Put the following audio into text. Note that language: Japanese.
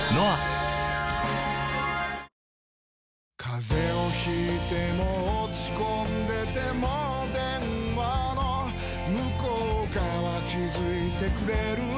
風邪を引いても落ち込んでても電話の向こう側気付いてくれるあなたの声